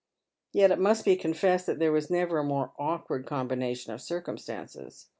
Yet it must be confessed that there was never a more awkward combination of circumstances.